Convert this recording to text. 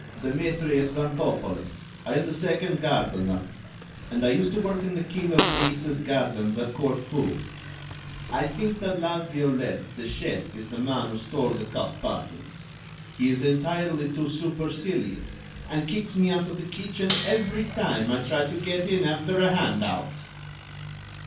"Demetrius Xanthopoulos. I am the second gardener, and I used to work in the King of Greece's gardens at Corfu. I think that La Violette, the chef, is the man who stole the cuff buttons. He's entirely too supercilious, and kicks me out of the kitchen every time I try to get in after a hand out!"